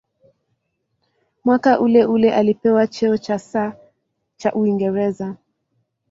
Mwaka uleule alipewa cheo cha "Sir" cha Uingereza.